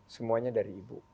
semuanya dari ibu